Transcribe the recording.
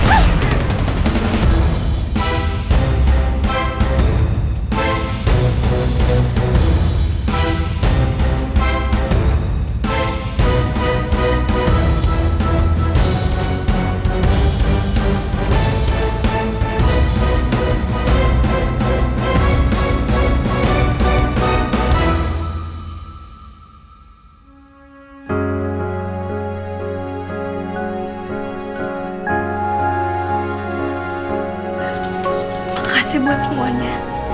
terima kasih buat semuanya